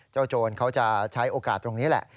โจรเขาจะใช้โอกาสตรงนี้แหละ